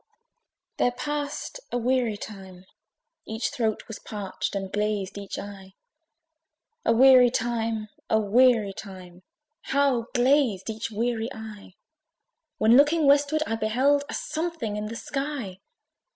There passed a weary time. Each throat Was parched, and glazed each eye. A weary time! a weary time! How glazed each weary eye, When looking westward, I beheld A something in the sky.